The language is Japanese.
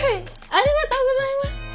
ありがとうございます！